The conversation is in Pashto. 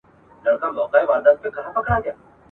چي آواز به یې خپل قام لره ناورین وو ..